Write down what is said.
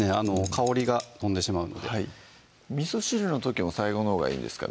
香りが飛んでしまうのではいみそ汁の時も最後のほうがいいんですか？